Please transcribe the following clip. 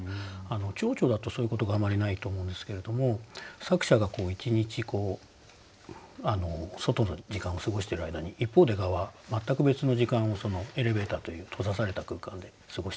ちょうちょだとそういうことがあまりないと思うんですけれども作者が一日外の時間を過ごしてる間に一方で蛾は全く別の時間をエレベーターという閉ざされた空間で過ごしていたと。